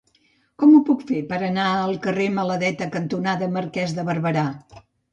Com ho puc fer per anar al carrer Maladeta cantonada Marquès de Barberà?